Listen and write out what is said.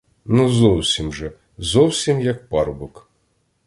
Ну зовсім же, зовсім, як парубок.